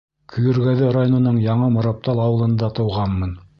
— Көйөргәҙе районының Яңы Мораптал ауылында тыуғанмын.